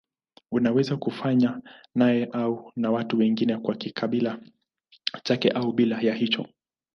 Unaweza kufanywa naye au na watu wengine kwa kibali chake au bila ya hicho.